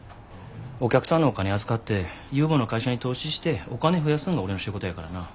お客さんのお金預かって有望な会社に投資してお金増やすんが俺の仕事やからな。